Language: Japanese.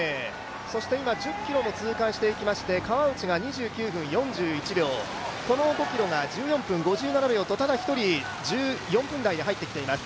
今、１０ｋｍを通過していきまして、川内が２９分４１秒、この５ｋｍが１４分５４秒とただ１人、１４分台に入ってきています。